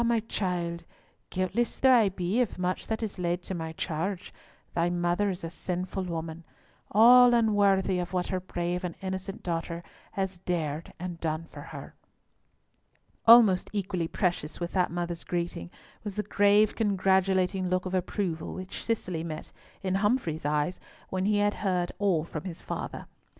my child, guiltless though I be of much that is laid to my charge, thy mother is a sinful woman, all unworthy of what her brave and innocent daughter has dared and done for her." Almost equally precious with that mother's greeting was the grave congratulating look of approval which Cicely met in Humfrey's eyes when he had heard all from his father.